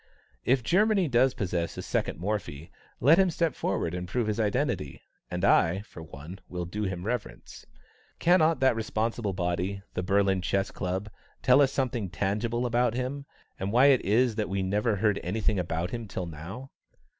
If Germany does possess a second Morphy, let him step forward and prove his identity, and I, for one, will do him reverence. Cannot that responsible body, the Berlin Chess Club, tell us something tangible about him, and why it is that we never heard any thing about him till now?